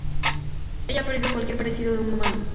Ella ha perdido cualquier parecido de un humano.